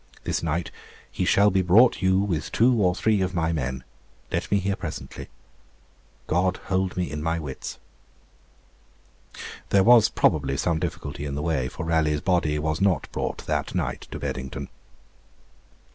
This night he shall be brought you with two or three of my men. Let me hear presently. God hold me in my wits. There was probably some difficulty in the way, for Raleigh's body was not brought that night to Beddington.